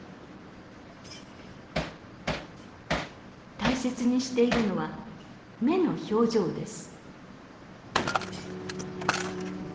大切にしているのは目の表情です。